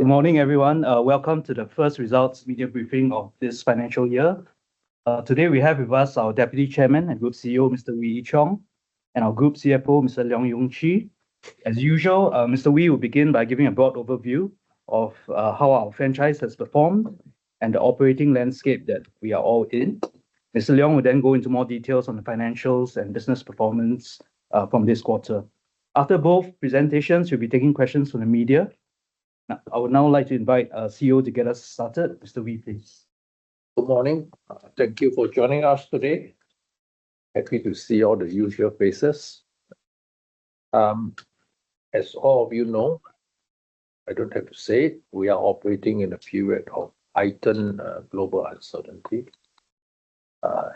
Good morning, everyone. Welcome to the first results media briefing of this financial year. Today we have with us our Deputy Chairman and Group CEO, Mr. Wee Ee Cheong, and our Group CFO, Mr. Leong Yung Chee. As usual, Mr. Wee will begin by giving a broad overview of how our franchise has performed and the operating landscape that we are all in. Mr. Leong will then go into more details on the financials and business performance from this quarter. After both presentations, we will be taking questions from the media. I would now like to invite our CEO to get us started. Mr. Wee, please. Good morning. Thank you for joining us today. Happy to see all the usual faces. as all of you know, I don't have to say it, we are operating in a period of heightened global uncertainty.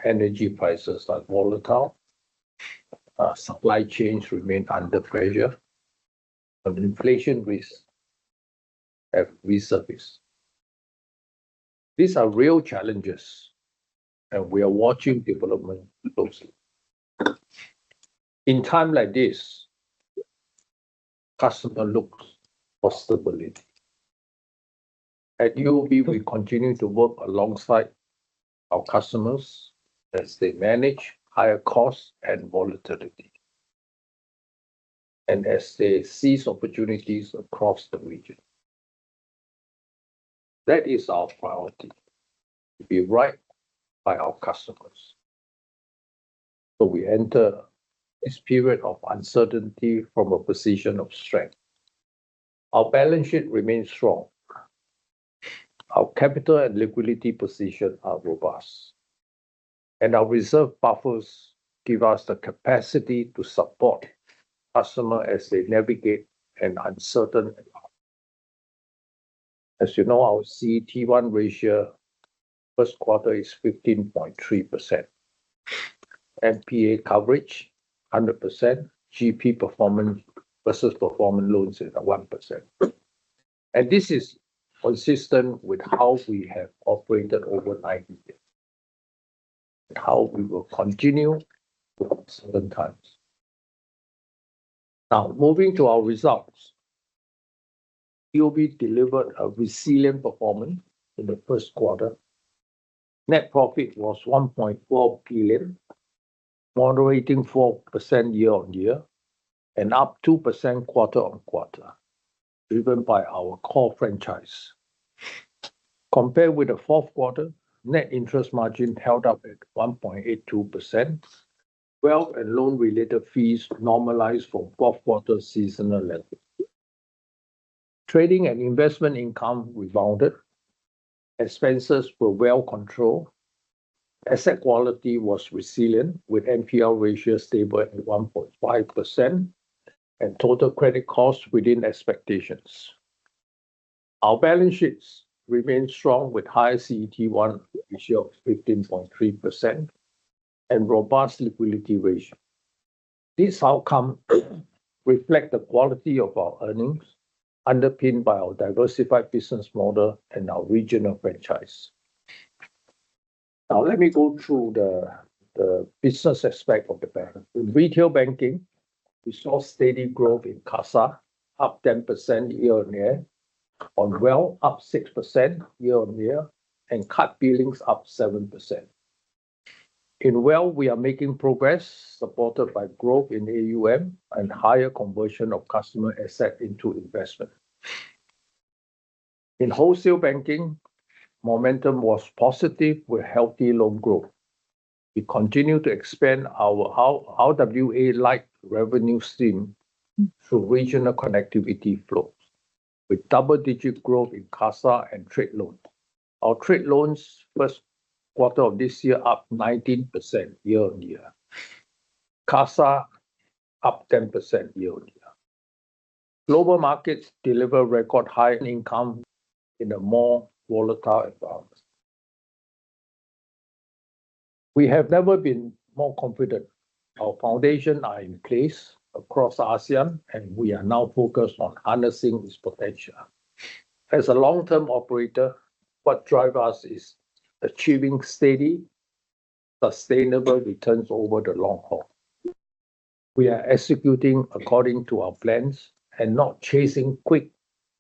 Energy prices are volatile, supply chains remain under pressure. Inflation risk have resurfaced. These are real challenges. We are watching development closely. In time like this, customer looks for stability. At UOB, we continue to work alongside our customers as they manage higher costs and volatility, as they seize opportunities across the region. That is our priority, to be right by our customers. We enter this period of uncertainty from a position of strength. Our balance sheet remains strong. Our capital and liquidity position are robust. Our reserve buffers give us the capacity to support customer as they navigate an uncertain environment. As you know, our CET1 ratio first quarter is 15.3%. NPA coverage, 100%. GP performance versus performing loans is at 1%. This is consistent with how we have operated over nine years, and how we will continue through uncertain times. Now, moving to our results. UOB delivered a resilient performance in the 1st quarter. Net profit was 1.4 billion, moderating 4% year-on-year, and up 2% quarter-on-quarter, driven by our core franchise. Compared with the fourth quarter, net interest margin held up at 1.82%. Wealth and loan-related fees normalized from fourth quarter seasonal lending. Trading and investment income rebounded. Expenses were well controlled. Asset quality was resilient with NPL ratio stable at 1.5%, and total credit cost within expectations. Our balance sheets remain strong with high CET1 ratio of 15.3% and robust liquidity ratio. This outcome reflects the quality of our earnings, underpinned by our diversified business model and our regional franchise. Now let me go through the business aspect of the bank. In retail banking, we saw steady growth in CASA, up 10% year-on-year, on wealth up 6% year-on-year, and card billings up 7%. In wealth, we are making progress, supported by growth in AUM and higher conversion of customer assets into investment. In wholesale banking, momentum was positive with healthy loan growth. We continue to expand our RWA light revenue stream through regional connectivity flow, with double-digit growth in CASA and trade loans. Our trade loans first quarter of this year up 19% year-on-year. CASA up 10% year-on-year. Global markets delivered record high income in a more volatile environment. We have never been more confident. Our foundation are in place across ASEAN, and we are now focused on harnessing this potential. As a long-term operator, what drive us is achieving steady, sustainable returns over the long haul. We are executing according to our plans and not chasing quick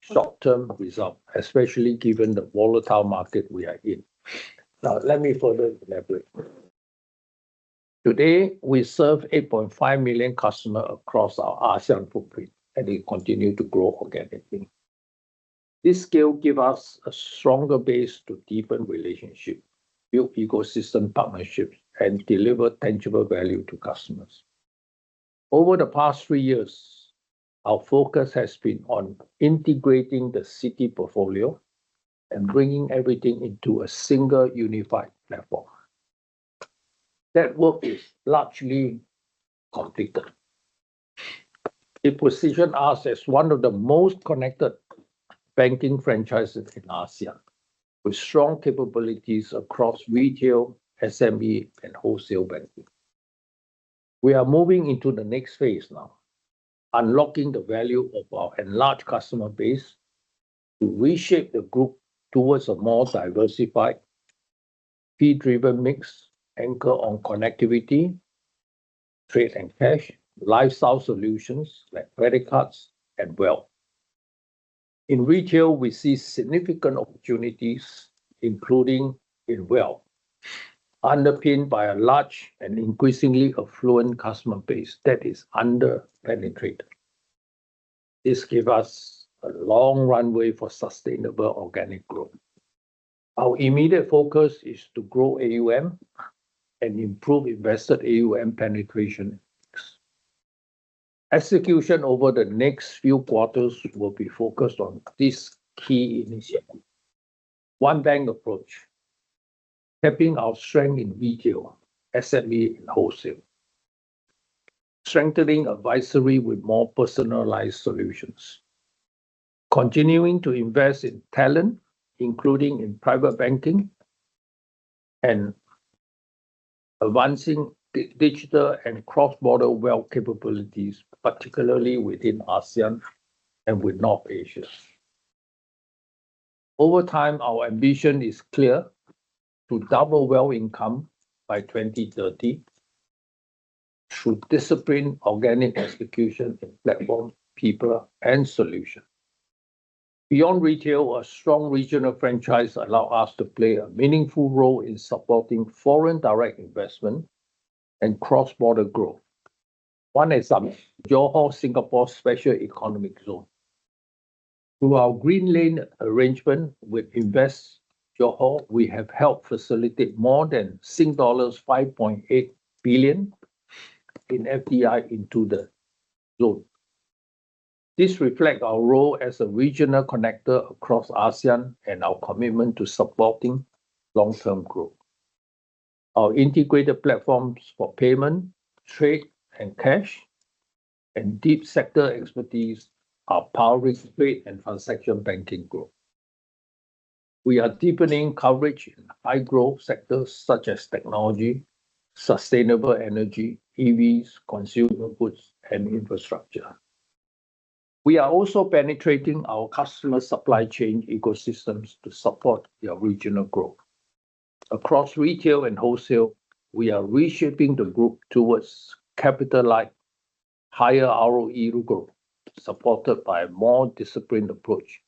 short-term result, especially given the volatile market we are in. Now, let me further elaborate. Today, we serve 8.5 million customer across our ASEAN footprint, and we continue to grow organically. This scale give us a stronger base to deepen relationship, build ecosystem partnerships, and deliver tangible value to customers. Over the past three years, our focus has been on integrating the Citi portfolio and bringing everything into a single unified platform. That work is largely completed. It position us as one of the most connected banking franchises in ASEAN, with strong capabilities across retail, SME, and wholesale banking. We are moving into the next phase now, unlocking the value of our enlarged customer base to reshape the group towards a more diversified fee-driven mix anchor on connectivity, trade and cash, lifestyle solutions like credit cards and wealth. In retail, we see significant opportunities, including in wealth, underpinned by a large and increasingly affluent customer base that is under-penetrated. This give us a long runway for sustainable organic growth. Our immediate focus is to grow AUM and improve invested AUM penetration. Execution over the next few quarters will be focused on these key initiatives. One bank approach, tapping our strength in retail, SME, and wholesale. Strengthening advisory with more personalized solutions. Continuing to invest in talent, including in private banking and advancing digital and cross-border wealth capabilities, particularly within ASEAN and with North Asia. Over time, our ambition is clear to double wealth income by 2030 through disciplined organic execution in platform, people, and solution. Beyond retail, our strong regional franchise allow us to play a meaningful role in supporting foreign direct investment and cross-border growth. One example, Johor Singapore Special Economic Zone. Through our green lane arrangement with Invest Johor, we have helped facilitate more than Sing dollars 5.8 billion in FDI into the zone. This reflect our role as a regional connector across ASEAN and our commitment to supporting long-term growth. Our integrated platforms for payment, trade, and cash, and deep sector expertise are powering trade and transaction banking growth. We are deepening coverage in high-growth sectors such as technology, sustainable energy, EVs, consumer goods, and infrastructure. We are also penetrating our customer supply chain ecosystems to support their regional growth. Across retail and wholesale, we are reshaping the group towards capital like higher ROE growth, supported by a more disciplined approach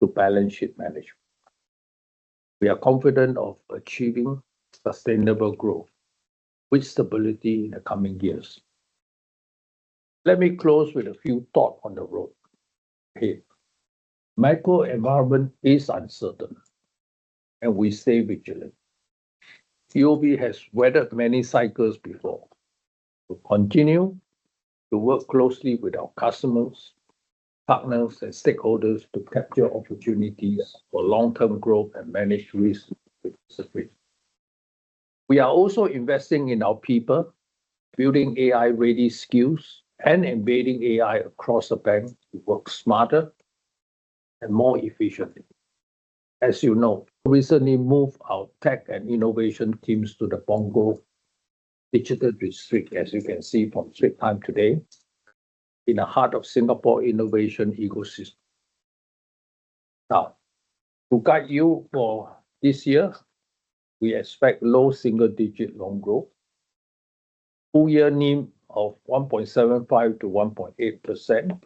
to balance sheet management. We are confident of achieving sustainable growth with stability in the coming years. Let me close with a few thoughts on the road ahead. Macro environment is uncertain. We stay vigilant. UOB has weathered many cycles before. We'll continue to work closely with our customers, partners, and stakeholders to capture opportunities for long-term growth and manage risk with discipline. We are also investing in our people, building AI-ready skills and embedding AI across the bank to work smarter and more efficiently. As you know, we recently moved our tech and innovation teams to the Punggol Digital District, as you can see from screen time today, in the heart of Singapore innovation ecosystem. To guide you for this year, we expect low single-digit loan growth, full year NIM of 1.75%-1.8%,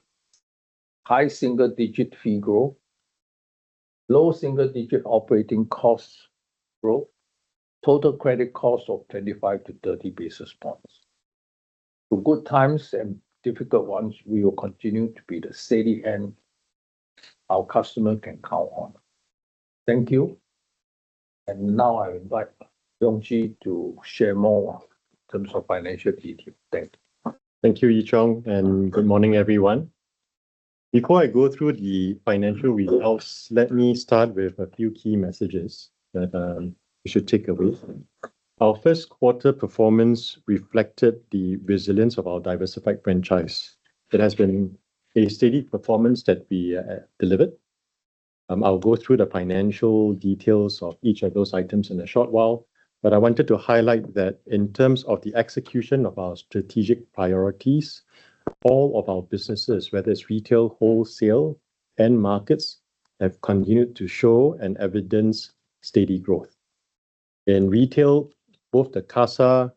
high single-digit fee growth, low single-digit operating cost growth, total credit cost of 25 basis points-30 basis points. Through good times and difficult ones, we will continue to be the steady hand our customer can count on. Thank you. I invite Leong Chee to share more in terms of financial details. Thank you. Thank you, Ee Cheong, and good morning, everyone. Before I go through the financial results, let me start with a few key messages that you should take away. Our first quarter performance reflected the resilience of our diversified franchise. It has been a steady performance that we delivered. I'll go through the financial details of each of those items in a short while. I wanted to highlight that in terms of the execution of our strategic priorities, all of our businesses, whether it's retail, wholesale, and markets, have continued to show and evidence steady growth. In retail, both the CASA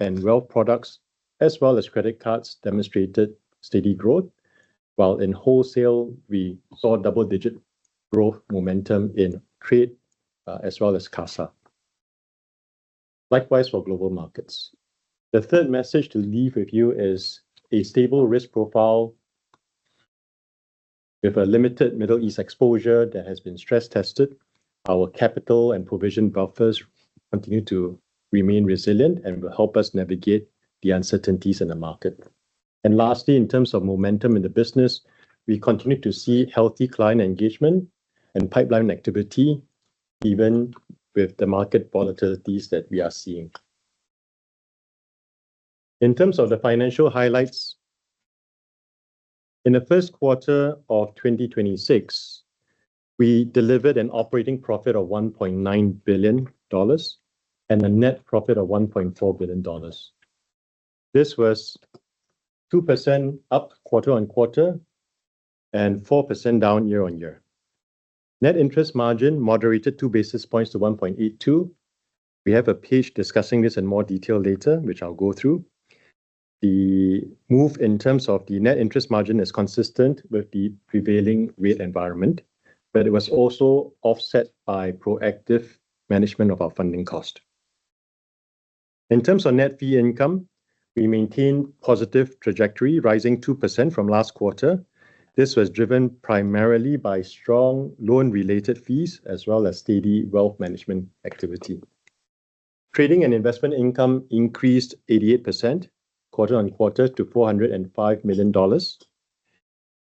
and wealth products, as well as credit cards, demonstrated steady growth. While in wholesale, we saw double-digit growth momentum in trade, as well as CASA. Likewise, for global markets. The third message to leave with you is a stable risk profile with a limited Middle East exposure that has been stress-tested. Our capital and provision buffers continue to remain resilient and will help us navigate the uncertainties in the market. Lastly, in terms of momentum in the business, we continue to see healthy client engagement and pipeline activity, even with the market volatilities that we are seeing. In terms of the financial highlights, in the first quarter of 2026, we delivered an operating profit of 1.9 billion dollars and a net profit of 1.4 billion dollars. This was 2% up quarter-on-quarter and 4% down year-on-year. Net interest margin moderated 2 basis points to 1.82. We have a page discussing this in more detail later, which I'll go through. The move in terms of the net interest margin is consistent with the prevailing rate environment, but it was also offset by proactive management of our funding cost. In terms of net fee income, we maintained positive trajectory, rising 2% from last quarter. This was driven primarily by strong loan related fees as well as steady wealth management activity. Trading and investment income increased 88% quarter-on-quarter to 405 million dollars.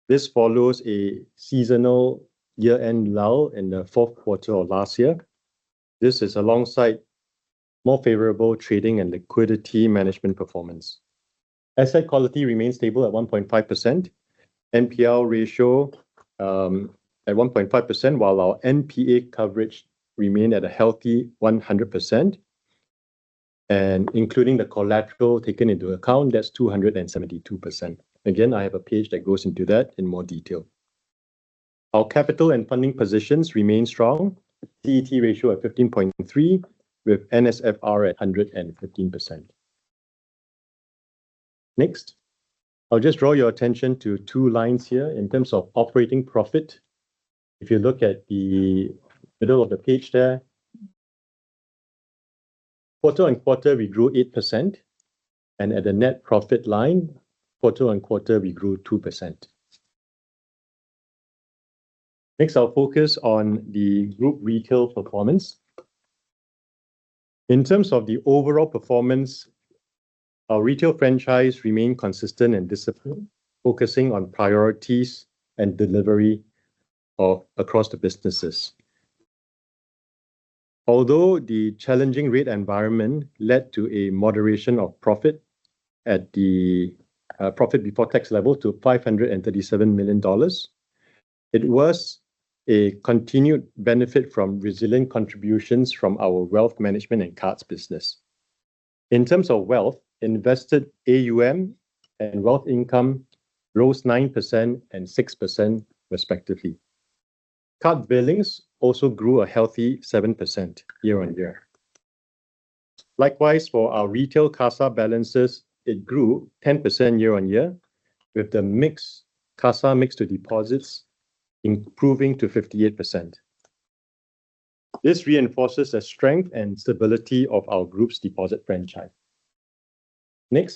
This follows a seasonal year-end lull in the fourth quarter of last year. This is alongside more favorable trading and liquidity management performance. Asset quality remains stable at 1.5%. NPL ratio at 1.5%, while our NPA coverage remain at a healthy 100%. Including the collateral taken into account, that's 272%. I have a page that goes into that in more detail. Our capital and funding positions remain strong. CET1 ratio at 15.3, with NSFR at 115%. I'll just draw your attention to two lines here in terms of operating profit. If you look at the middle of the page there, quarter-on-quarter we grew 8%, and at the net profit line, quarter-on-quarter we grew 2%. I'll focus on the group retail performance. In terms of the overall performance, our retail franchise remain consistent and disciplined, focusing on priorities and delivery across the businesses. Although the challenging rate environment led to a moderation of profit at the profit before tax level to 537 million dollars, it was a continued benefit from resilient contributions from our wealth management and cards business. In terms of wealth, invested AUM and wealth income rose 9% and 6% respectively. Card billings also grew a healthy 7% year-on-year. Likewise, for our retail CASA balances, it grew 10% year-on-year, with the CASA mix to deposits improving to 58%. This reinforces the strength and stability of our group's deposit franchise.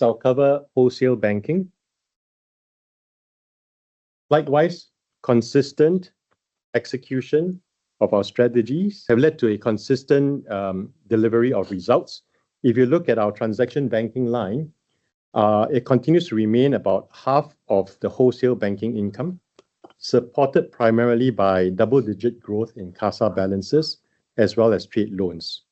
I'll cover wholesale banking. Consistent execution of our strategies have led to a consistent delivery of results. If you look at our transaction banking line, it continues to remain about half of the wholesale banking income, supported primarily by double-digit growth in CASA balances as well as trade loans.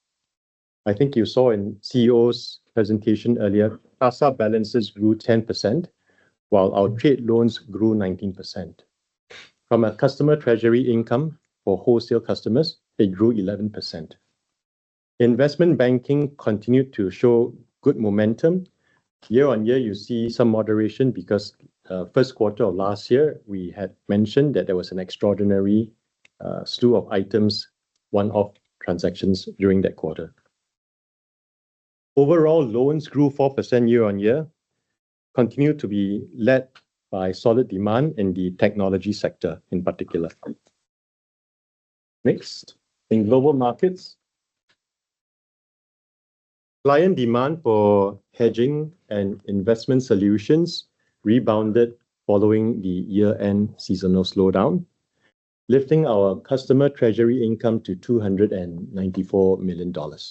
I think you saw in CEO's presentation earlier, CASA balances grew 10%, while our trade loans grew 19%. From a customer treasury income for wholesale customers, it grew 11%. Investment banking continued to show good momentum. Year-on-year, you see some moderation because, first quarter of last year, we had mentioned that there was an extraordinary, slew of items, one-off transactions during that quarter. Overall, loans grew 4% year-on-year, continued to be led by solid demand in the technology sector in particular. Next, in global markets. Client demand for hedging and investment solutions rebounded following the year-end seasonal slowdown, lifting our customer treasury income to 294 million dollars.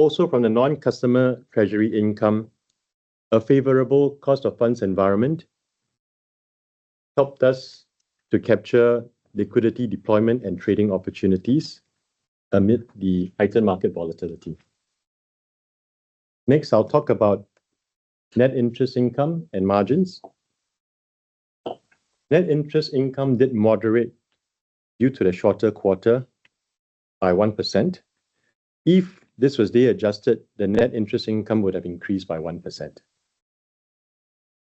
Also, from the non-customer treasury income, a favorable cost of funds environment helped us to capture liquidity deployment and trading opportunities amid the heightened market volatility. Next, I'll talk about net interest income and margins. Net interest income did moderate due to the shorter quarter by 1%. If this was day adjusted, the net interest income would have increased by 1%.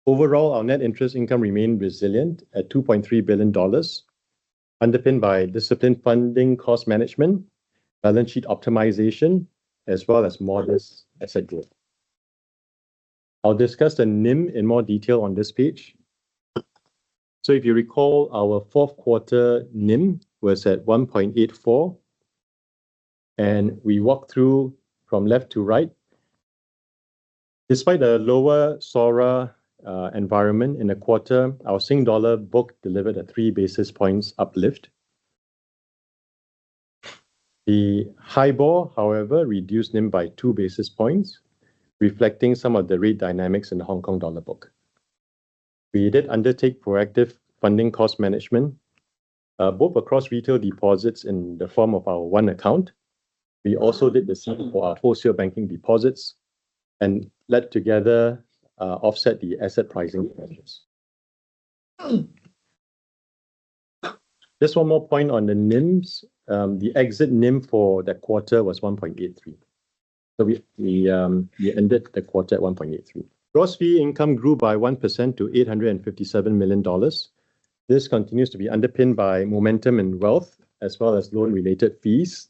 Overall, our net interest income remained resilient at 2.3 billion dollars, underpinned by disciplined funding cost management, balance sheet optimization, as well as modest asset growth. I'll discuss the NIM in more detail on this page. If you recall, our fourth quarter NIM was at 1.84, and we walk through from left to right. Despite a lower SORA environment in the quarter, our Sing Dollar book delivered a 3 basis points uplift. The HIBOR, however, reduced NIM by 2 basis points, reflecting some of the rate dynamics in the Hong Kong Dollar book. We did undertake proactive funding cost management, both across retail deposits in the form of our One Account. We also did the same for our wholesale banking deposits, led together, offset the asset pricing pressures. Just one more point on the NIMs. The exit NIM for the quarter was 1.83%. We ended the quarter at 1.83%. Gross fee income grew by 1% to 857 million dollars. This continues to be underpinned by momentum and wealth as well as loan related fees.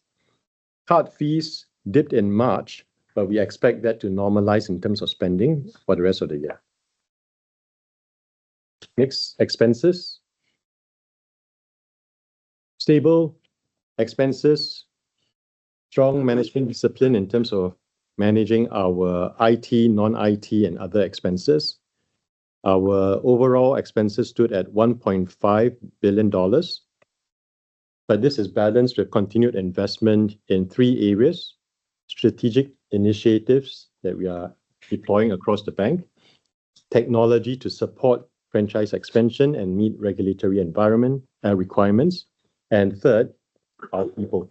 Card fees dipped in March, we expect that to normalize in terms of spending for the rest of the year. Next, expenses. Stable expenses. Strong management discipline in terms of managing our IT, non-IT and other expenses. Our overall expenses stood at 1.5 billion dollars. This is balanced with continued investment in three areas: strategic initiatives that we are deploying across the bank, technology to support franchise expansion and meet regulatory environment requirements, and third, our people.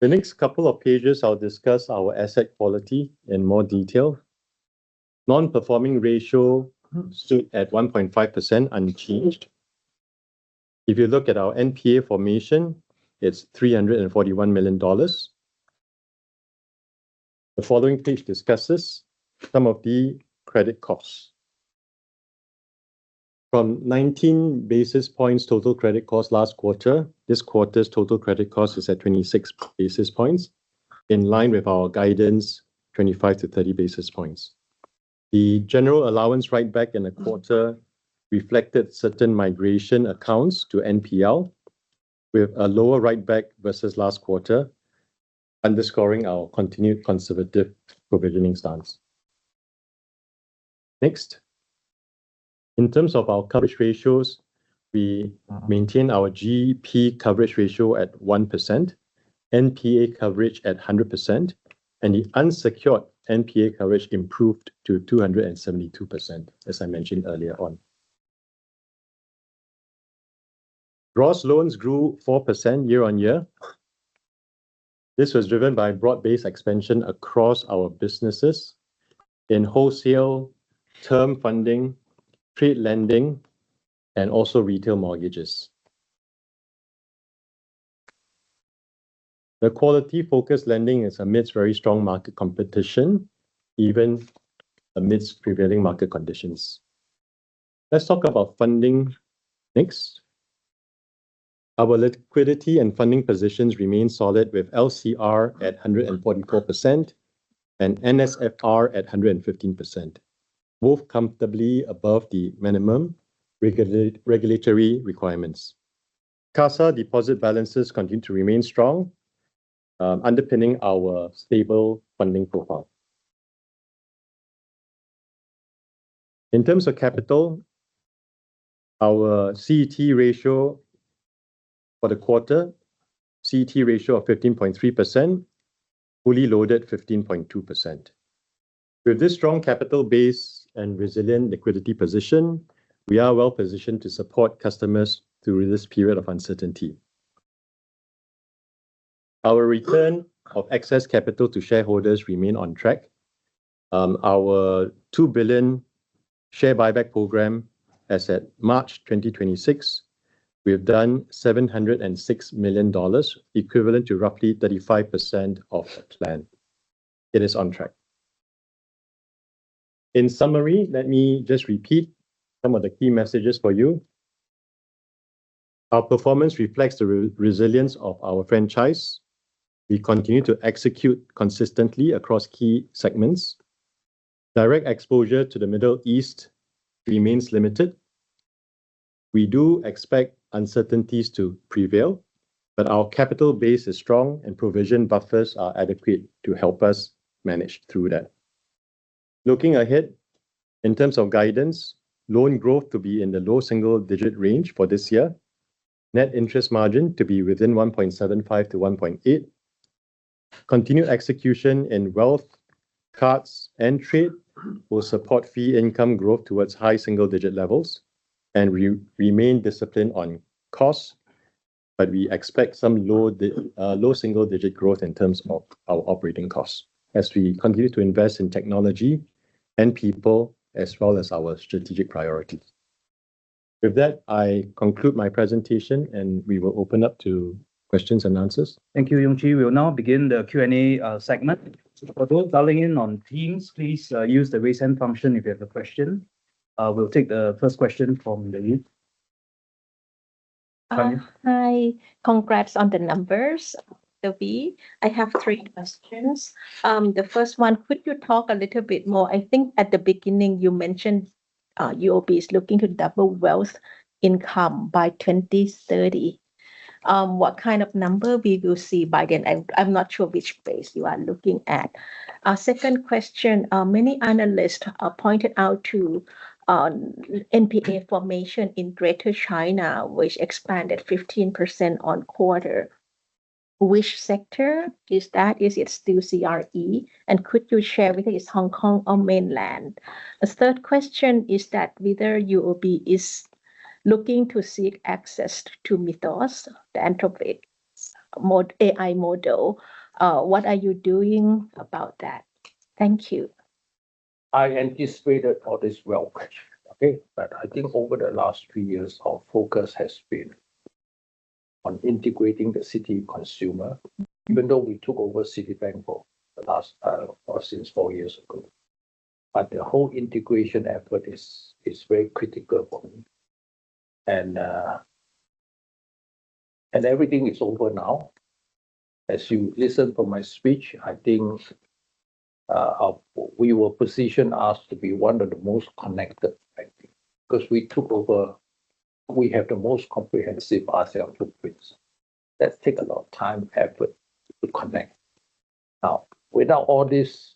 The next couple of pages, I'll discuss our asset quality in more detail. NPL ratio stood at 1.5% unchanged. If you look at our NPA formation, it's 341 million dollars. The following page discusses some of the credit costs. From 19 basis points total credit cost last quarter, this quarter's total credit cost is at 26 basis points, in line with our guidance, 25basis points-30 basis points. The general allowance write back in the quarter reflected certain migration accounts to NPL, with a lower write back versus last quarter, underscoring our continued conservative provisioning stance. Next. In terms of our coverage ratios, we maintain our GDP coverage ratio at 1%, NPA coverage at 100%, and the unsecured NPA coverage improved to 272%, as I mentioned earlier on. Gross loans grew 4% year-over-year. This was driven by broad-based expansion across our businesses in wholesale, term funding, trade lending, and also retail mortgages. The quality focus lending is amidst very strong market competition, even amidst prevailing market conditions. Let's talk about funding next. Our liquidity and funding positions remain solid with LCR at 144% and NSFR at 115%, both comfortably above the minimum regulatory requirements. CASA deposit balances continue to remain strong, underpinning our stable funding profile. In terms of capital, our CET ratio for the quarter, CET ratio of 15.3%, fully loaded 15.2%. With this strong capital base and resilient liquidity position, we are well positioned to support customers through this period of uncertainty. Our return of excess capital to shareholders remain on track. Our 2 billion share buyback program, as at March 2026, we have done 706 million dollars, equivalent to roughly 35% of that plan. It is on track. In summary, let me just repeat some of the key messages for you. Our performance reflects the resilience of our franchise. We continue to execute consistently across key segments. Direct exposure to the Middle East remains limited. We do expect uncertainties to prevail, but our capital base is strong, provision buffers are adequate to help us manage through that. Looking ahead, in terms of guidance, loan growth to be in the low single digit range for this year, net interest margin to be within 1.75-1.8. Continued execution in wealth, cards, and trade will support fee income growth towards high single digit levels, and we remain disciplined on costs, but we expect some low single digit growth in terms of our operating costs as we continue to invest in technology and people as well as our strategic priorities. With that, I conclude my presentation, and we will open up to questions and answers. Thank you, Leong Chee. We will now begin the Q&A segment. For those dialing in on Teams, please use the raise hand function if you have a question. We'll take the first question from Lynne. Hi. Congrats on the numbers. I have three questions. The first one, could you talk a little bit more? I think at the beginning you mentioned UOB is looking to double wealth income by 2030. What kind of number we will see by then? I'm not sure which base you are looking at. Second question, many analysts pointed out to NPA formation in Greater China, which expanded 15% on quarter. Which sector is that? Is it still CRE? Could you share with us, Hong Kong or Mainland? Whether UOB is looking to seek access to Mythos, the Ant Group AI model, what are you doing about that? Thank you. I anticipated for this wealth question. Okay. I think over the last three years, our focus has been on integrating the Citi consumer, even though we took over Citibank for the last, or since four years ago. The whole integration effort is very critical for me. Everything is over now. As you listen from my speech, I think, we will position us to be one of the most connected bank, because we took over We have the most comprehensive ASEAN footprints. That take a lot of time, effort to connect. Without all this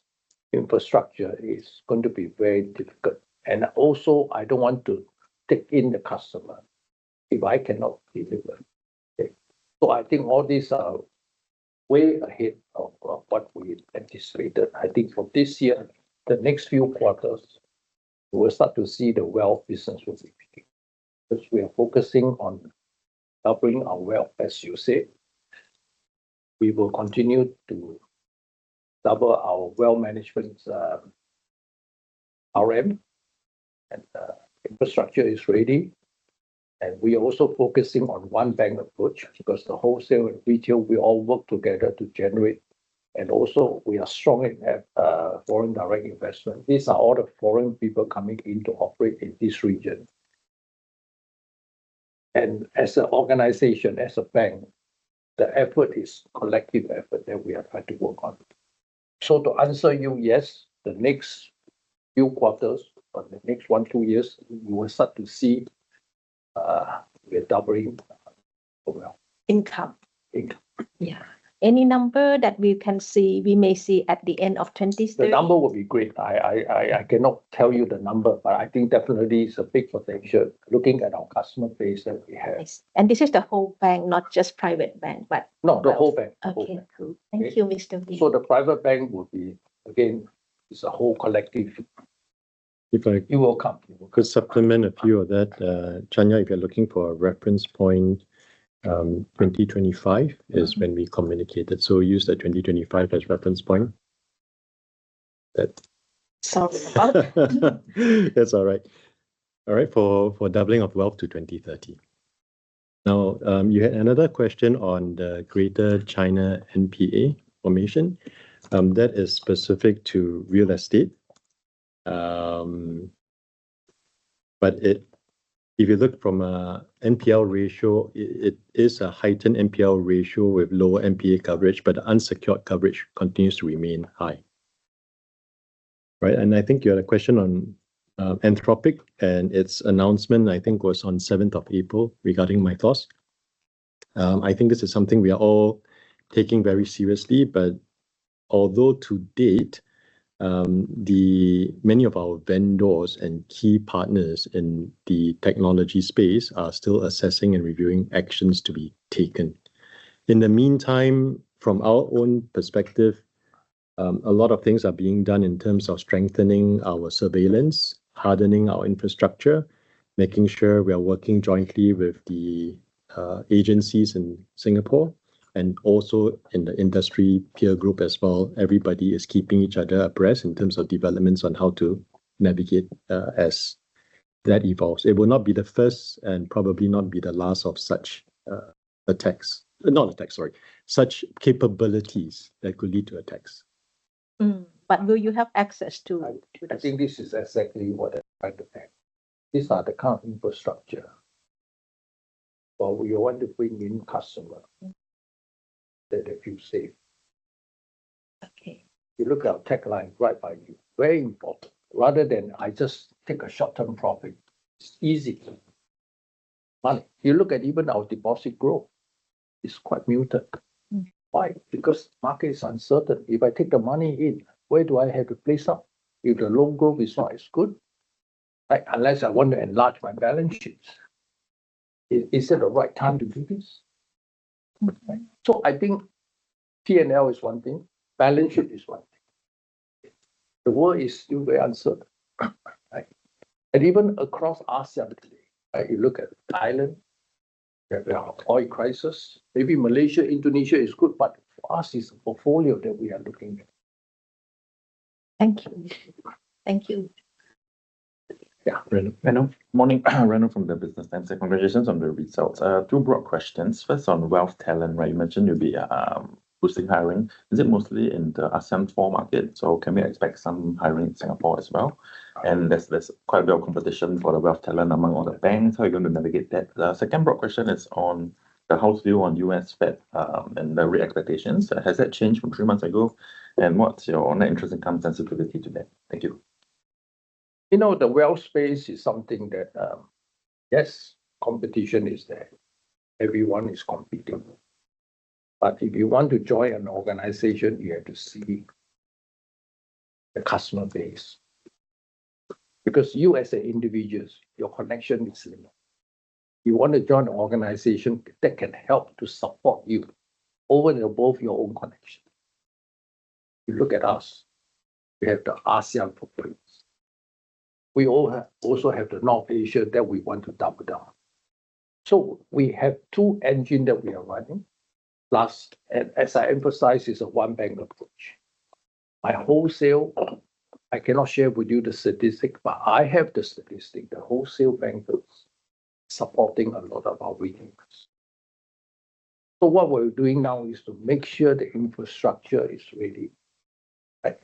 infrastructure, it's going to be very difficult. I don't want to take in the customer if I cannot deliver. Okay. I think all these are way ahead of what we anticipated. I think for this year, the next few quarters, we'll start to see the wealth business will be picking, because we are focusing on doubling our wealth, as you said. We will continue to double our wealth management, RM, and the infrastructure is ready, and we are also focusing on one bank approach because the wholesale and retail, we all work together to generate. We are strong in foreign direct investment. These are all the foreign people coming in to operate in this region. As an organization, as a bank, the effort is collective effort that we are trying to work on. To answer you, yes, the next few quarters or the next one, two years, we will start to see, we are doubling our wealth. Income. Income. Yeah. Any number that we can see, we may see at the end of 2030? The number would be great. I cannot tell you the number, but I think definitely it's a big potential looking at our customer base that we have. Yes. This is the whole bank, not just private bank, but wealth. No, the whole bank. Okay. The whole bank. Thank you, Mr. Wee. The private bank would be, again, it's a whole collective. If I could- It will come. could supplement a few of that. Chanya, if you're looking for a reference point, 2025 is when we communicated. Use that 2025 as reference point. Sounds about right. That's all right. All right, for doubling of wealth to 2030. You had another question on the Greater China NPA formation that is specific to real estate. If you look from a NPL ratio, it is a heightened NPL ratio with lower NPA coverage, but unsecured coverage continues to remain high. Right. I think you had a question on Anthropic, and its announcement, I think, was on seventh of April regarding my thoughts. I think this is something we are all taking very seriously, but although to date, many of our vendors and key partners in the technology space are still assessing and reviewing actions to be taken. In the meantime, from our own perspective, a lot of things are being done in terms of strengthening our surveillance, hardening our infrastructure, making sure we are working jointly with the agencies in Singapore and also in the industry peer group as well. Everybody is keeping each other abreast in terms of developments on how to navigate as that evolves. It will not be the first and probably not be the last of such attacks. Not attacks, sorry. Such capabilities that could lead to attacks. Will you have access to this? I think this is exactly what I tried to say. These are the current infrastructure. we want to bring in customer that they feel safe. Okay. You look at our tech line right by you. Very important. Rather than I just take a short-term profit, it's easy money. You look at even our deposit growth, it's quite muted. Why? Market is uncertain. If I take the money in, where do I have to place up? If the long growth is not as good, like, unless I want to enlarge my balance sheets, is it the right time to do this? Right? I think P&L is one thing, balance sheet is one thing. The world is still very uncertain, right? Even across ASEAN today, right, you look at Thailand, they have an oil crisis. Maybe Malaysia, Indonesia is good, for us it's a portfolio that we are looking at. Thank you. Thank you. Yeah. Renu. Morning. Renu from The Business Times. Congratulations on the results. Two broad questions. First, on wealth talent, right? You mentioned you'll be boosting hiring. Is it mostly in the ASEAN forum market, so can we expect some hiring in Singapore as well? There's quite a bit of competition for the wealth talent among all the banks. How are you going to navigate that? The second broad question is on the house view on U.S. Fed and the rate expectations. Has that changed from three months ago? What's your own interest income sensitivity to that? Thank you. You know, the wealth space is something that, yes, competition is there. Everyone is competing. If you want to join an organization, you have to see the customer base. Because you as an individual, your connection is limited. You want to join an organization that can help to support you over and above your own connection. You look at us, we have the ASEAN footprints. We also have the North Asia that we want to double down. We have two engines that we are running. As I emphasize, it's a one bank approach. My wholesale, I cannot share with you the statistic, but I have the statistic, the wholesale bankers supporting a lot of our retail customers. What we're doing now is to make sure the infrastructure is ready, right?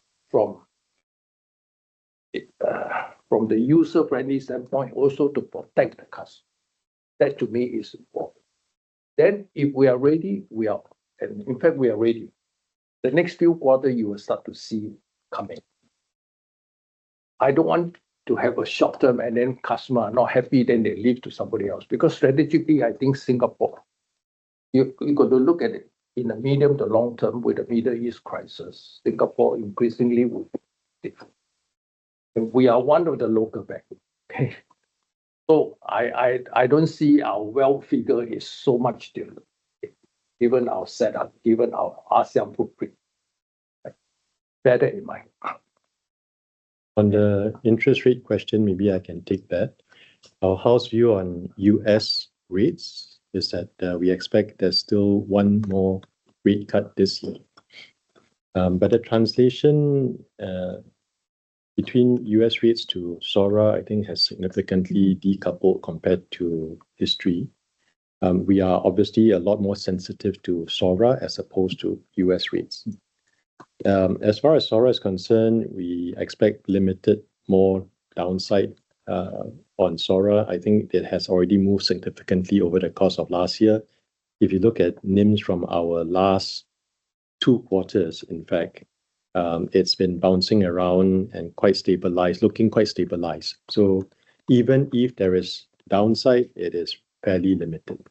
From the user-friendly standpoint, also to protect the customer. That to me is important. If we are ready, we are and in fact, we are ready. The next few quarter you will start to see coming. I don't want to have a short term and then customer are not happy, then they leave to somebody else. Strategically, I think Singapore, you got to look at it in the medium to long term with the Middle East crisis, Singapore increasingly will differ, and we are one of the local bank. Okay. I don't see our wealth figure is so much different, given our setup, given our ASEAN footprint. Bear that in mind. On the interest rate question, maybe I can take that. Our house view on US rates is that we expect there's still 1 more rate cut this year. The translation between U.S. rates to SORA I think has significantly decoupled compared to history. We are obviously a lot more sensitive to SORA as opposed to U.S. rates. As far as SORA is concerned, we expect limited more downside on SORA. I think it has already moved significantly over the course of last year. If you look at NIMs from our last two quarters, in fact, it's been bouncing around and quite stabilized, looking quite stabilized. Even if there is downside, it is fairly limited.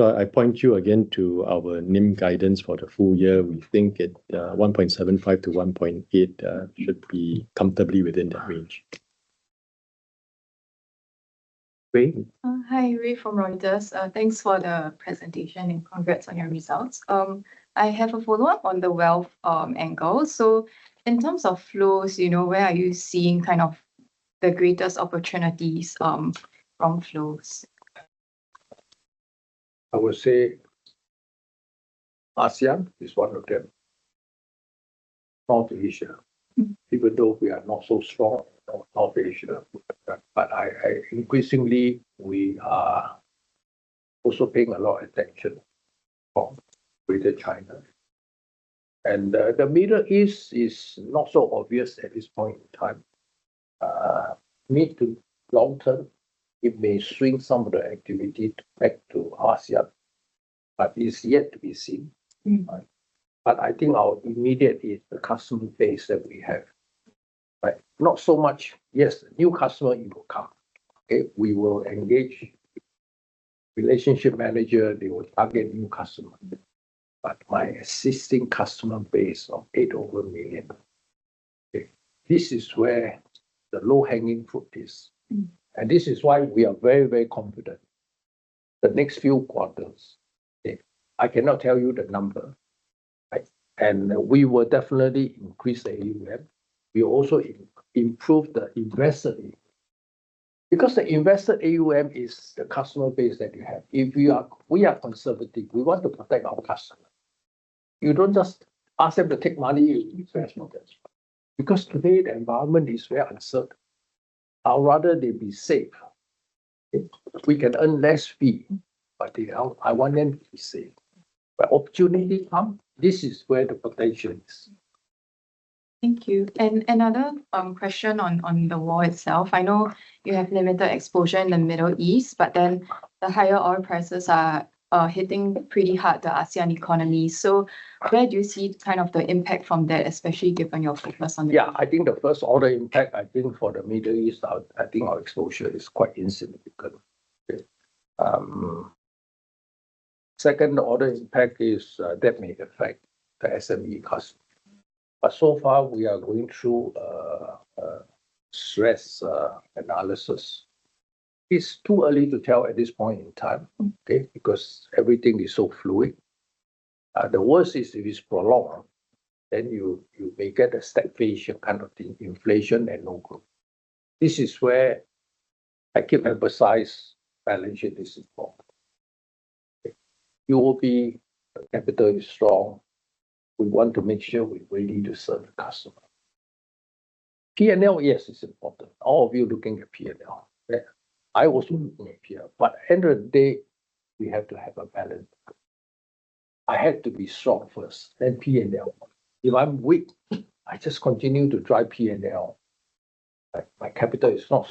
I point you again to our NIM guidance for the full year. We think it 1.75%-1.8% should be comfortably within that range. Rae? Hi. Rae from Reuters. Thanks for the presentation and congrats on your results. I have a follow-up on the wealth angle. In terms of flows, you know, where are you seeing kind of the greatest opportunities, from flows? I would say ASEAN is one of them. South Asia, even though we are not so strong on South Asia, I increasingly we are also paying a lot of attention from Greater China. The Middle East is not so obvious at this point in time. Mid to long term, it may swing some of the activity back to ASEAN, it's yet to be seen. I think our immediate is the customer base that we have, right? Not so much, yes, new customer it will come. Okay. We will engage relationship manager, they will target new customer. My existing customer base of eight over million, this is where the low-hanging fruit is. This is why we are very, very confident the next few quarters. I cannot tell you the number. Right. We will definitely increase the AUM. We also improve the investor AUM because the investor AUM is the customer base that you have. If we are, we are conservative, we want to protect our customer. You don't just ask them to take money, invest. Because today the environment is very uncertain. I would rather they be safe. We can earn less fee, but they are I want them to be safe. Opportunity come, this is where the potential is. Thank you. Another question on the war itself. I know you have limited exposure in the Middle East, but then the higher oil prices are hitting pretty hard the ASEAN economy. Where do you see kind of the impact from that, especially given your focus on the- Yeah, I think the first order impact, I think for the Middle East, I think our exposure is quite insignificant. Second order impact is that may affect the SME customer. So far we are going through a stress analysis. It's too early to tell at this point in time, okay, because everything is so fluid. The worst is if it's prolonged, then you may get a stagflation kind of thing, inflation and no growth. This is where I keep emphasize balancing this important. UOB capital is strong. We want to make sure we're ready to serve the customer. P&L, yes, it's important. All of you looking at P&L. Yeah. I also looking at P&L. End of the day, we have to have a balance. I have to be strong first, then P&L. If I'm weak, I just continue to drive P&L, but my capital is not,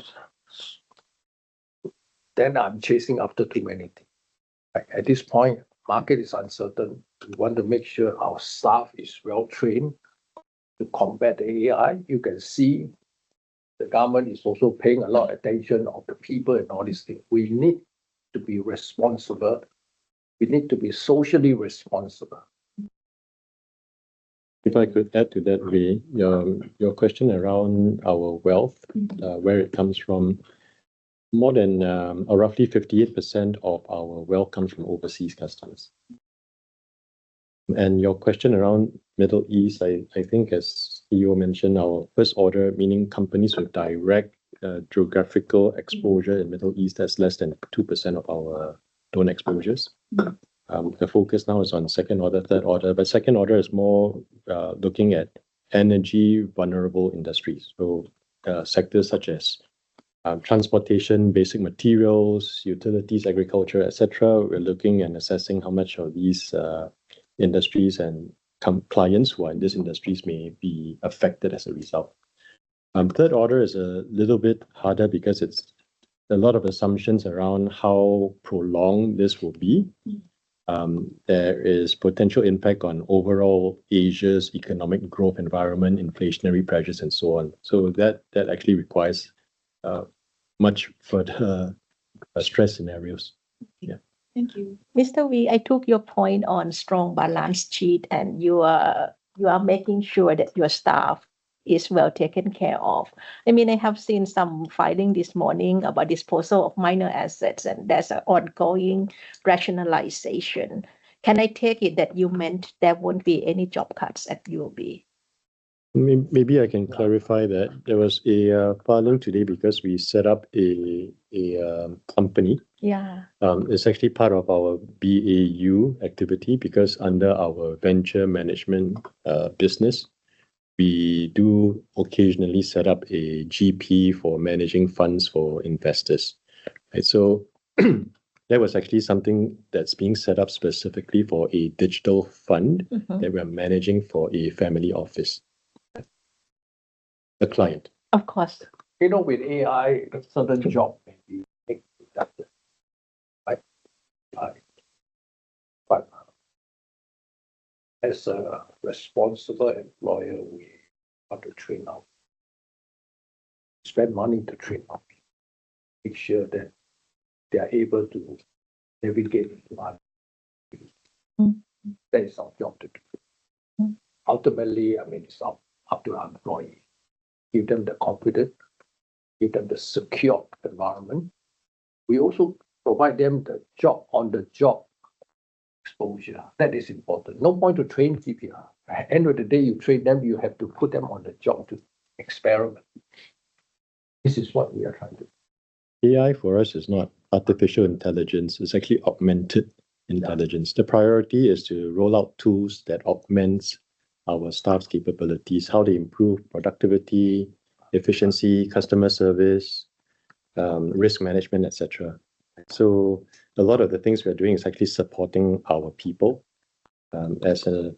then I'm chasing after too many things. At this point, market is uncertain. We want to make sure our staff is well trained to combat AI. You can see the government is also paying a lot of attention of the people and all these things. We need to be responsible. We need to be socially responsible. If I could add to that, Wee, your question around our wealth where it comes from. More than, or roughly 58% of our wealth comes from overseas customers. Your question around Middle East, I think as you mentioned, our first order, meaning companies with direct, geographical exposure in Middle East, that's less than 2% of our loan exposures. The focus now is on second order, third order, but second order is more looking at energy vulnerable industries. Sectors such as transportation, basic materials, utilities, agriculture, et cetera. We're looking and assessing how much of these industries and clients who are in these industries may be affected as a result. Third order is a little bit harder because it's a lot of assumptions around how prolonged this will be. There is potential impact on overall Asia's economic growth environment, inflationary pressures and so on. That, that actually requires much further stress scenarios. Yeah. Thank you. Mr. Wee, I took your point on strong balance sheet, and you are making sure that your staff is well taken care of. I mean, I have seen some filing this morning about disposal of minor assets, and there's a ongoing rationalization. Can I take it that you meant there won't be any job cuts at UOB? Maybe I can clarify that. There was a filing today because we set up a company. Yeah. It's actually part of our BAU activity because under our venture management business, we do occasionally set up a GP for managing funds for investors, right? That was actually something that's being set up specifically. THat we are managing for a family office, a client. Of course. You know, with AI, a certain job may be taken over by AI. But as a responsible employer, Spend money to train our people, make sure that they are able to navigate into other fields. That is our job to do. Ultimately, I mean, it's up to our employee. Give them the confidence, give them the secure environment. We also provide them the job, on-the-job exposure. That is important. No point to train KPI. At end of the day, you train them, you have to put them on the job to experiment. This is what we are trying to do. AI for us is not artificial intelligence. It's actually augmented intelligence. Yeah. The priority is to roll out tools that augments our staff's capabilities, how they improve productivity, efficiency, customer service, risk management, et cetera. A lot of the things we are doing is actually supporting our people. As a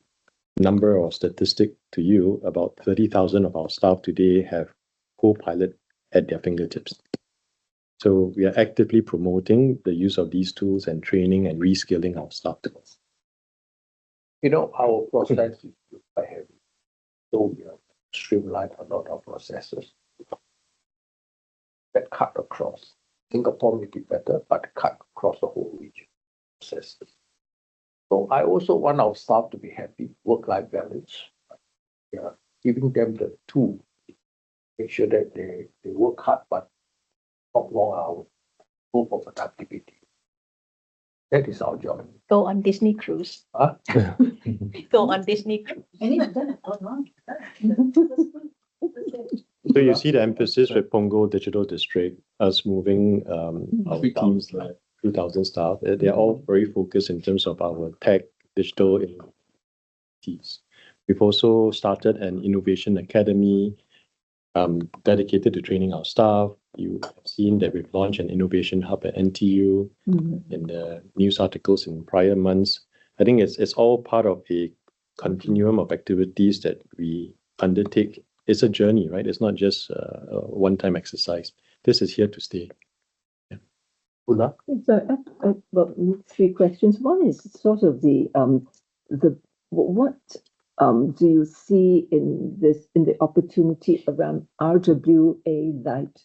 number or statistic to you, about 30,000 of our staff today have Copilot at their fingertips. We are actively promoting the use of these tools and training and reskilling our staff members. You know, our process is quite heavy. We have streamlined a lot of processes that cut across. Singapore may be better, but cut across the whole region processes. I also want our staff to be happy, work-life balance. We are giving them the tool, make sure that they work hard, but not long hour for productivity. That is our job. Go on Disney cruise. Huh? Go on Disney cruise. Many of them have gone on. You see the emphasis with Punggol Digital District, us moving, our teams like 2,000 staff. They're all very focused in terms of our tech digital initiatives. We've also started an innovation academy, dedicated to training our staff. You have seen that we've launched an innovation hub at NTU. in the news articles in prior months. I think it's all part of a continuum of activities that we undertake. It's a journey, right? It's not just a one-time exercise. This is here to stay. Yeah. Ula. I've got three questions. One is sort of what do you see in this, in the opportunity around RWA that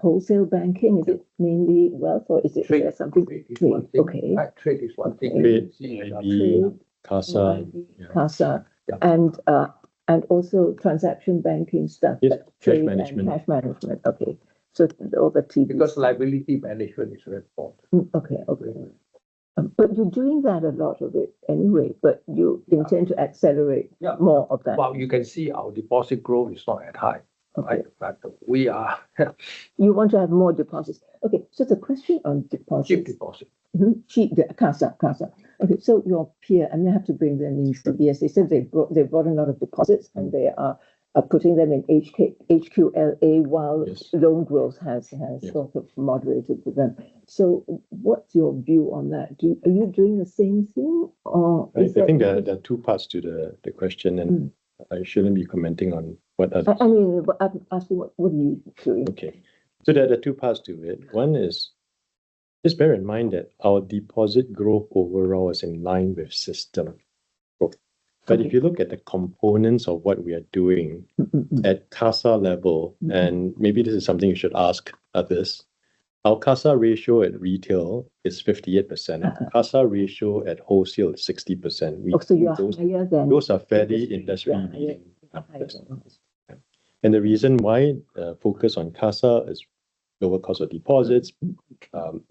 wholesale banking? Is it mainly wealth or is it something between? Trade is one thing. Okay. Trade is one thing. Trade, maybe CASA. CASA. Also transaction banking stuff like trade. Yes, cash management. and cash management. Okay. Liability management is very important. Okay. Okay. You're doing that, a lot of it anyway, but you intend to accelerate. Yeah More of that. Well, you can see our deposit growth is not that high. Okay. Like we are. You want to have more deposits. Okay. The question on deposits- Cheap deposit. Cheap, the CASA. Okay. Your peer, I'm gonna have to bring their names to you. Sure. They said they've brought a lot of deposits, and they are putting them in HQLA. Yes loan growth has. Yes sort of moderated with them. What's your view on that? Are you doing the same thing, or is that I think there are two parts to the question. I shouldn't be commenting on what other. I mean, I'm asking what are you doing? Okay. There are two parts to it. One is just bear in mind that our deposit growth overall is in line with system growth. Okay. If you look at the components of what we are doing. Mm-hmm, mm-hmm at CASA level, and maybe this is something you should ask others, our CASA ratio at retail is 58%. CASA ratio at wholesale is 60%. Okay, you are higher than- Those are fairly industry leading. Yeah. That's it. Yeah. The reason why focus on CASA is lower cost of deposits